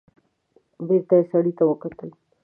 بېرته يې سړي ته وکتل.